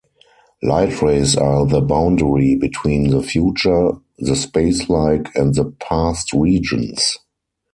Light rays are the boundary between the future, the spacelike, and the past regions.